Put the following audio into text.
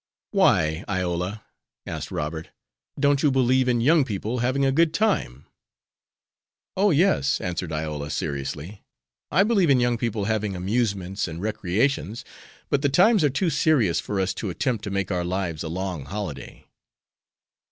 "Why, Iola," asked Robert, "don't you believe in young people having a good time?" "Oh, yes," answered Iola, seriously, "I believe in young people having amusements and recreations; but the times are too serious for us to attempt to make our lives a long holiday."